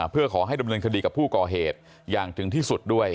เพื่อขอให้ดำเนินคดีกับผู้ก่อเหตุอย่างถึงที่สุดด้วย